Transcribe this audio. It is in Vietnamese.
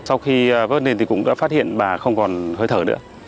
sau khi vớt lên thì cũng đã phát hiện bà không còn hơi thở nữa